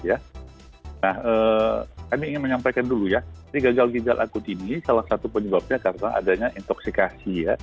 nah kami ingin menyampaikan dulu ya jadi gagal ginjal akut ini salah satu penyebabnya karena adanya intoxikasi ya